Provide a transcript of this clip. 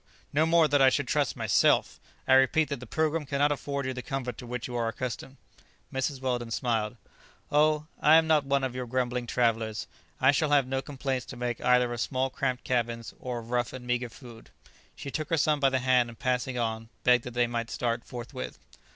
no more than I should myself. I repeat that the 'Pilgrim' cannot afford you the comfort to which you are accustomed." Mrs. Weldon smiled. "Oh, I am not one of your grumbling travellers. I shall have no complaints to make either of small cramped cabins, or of rough and meagre food." She took her son by the hand, and passing on, begged that they might start forthwith.